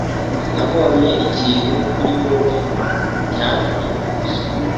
Nabonye ikintu kuri wowe cyantangaje.